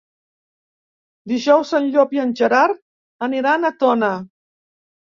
Dijous en Llop i en Gerard aniran a Tona.